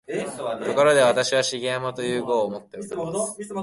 ところで、私は「重山」という号をもっております